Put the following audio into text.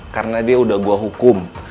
karena dia udah gue hukum